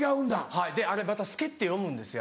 はいであれまた「すけ」って読むんですよ